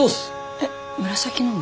えっ紫の上？